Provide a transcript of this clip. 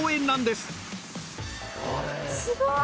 すごい！